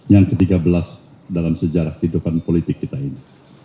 yang ke tiga belas dalam sejarah kehidupan politik kita ini